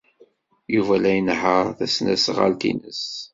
Yuba la inehheṛ tasnasɣalt-nnes.